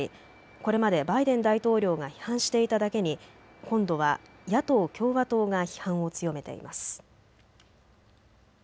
これまでバイデン大統領が批判していただけに今度は野党・共和党が批判を強めています。